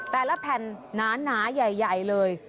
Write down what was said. แต่ละแผ่นหนาใหญ่เลย